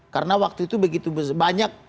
karena waktu itu begitu banyak